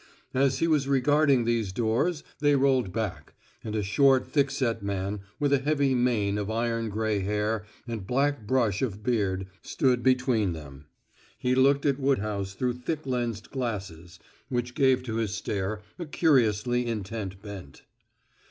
As he was regarding these doors they rolled back and a short thickset man, with a heavy mane of iron gray hair and black brush of beard, stood between them. He looked at Woodhouse through thick lensed glasses, which gave to his stare a curiously intent bent.